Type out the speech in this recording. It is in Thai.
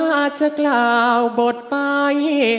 อาจจะกล่าวบทไป